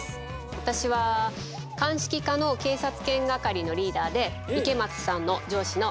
私は鑑識課の警察犬係のリーダーで池松さんの上司の自称